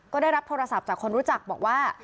ก็ได้รับโทรศัพท์จากคนรู้จักบอกว่า